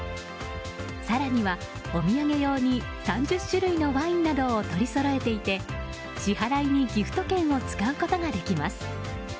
更には、お土産用に３０種類のワインなどを取りそろえていて支払いにギフト券を使うことができます。